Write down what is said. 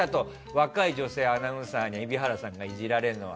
若い女性アナウンサーに蛯原さんがイジられるのは。